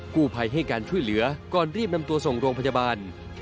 กู้ภัยให้การช่วยเหลือก่อนรีบนำตัวส่งโรงพยาบาล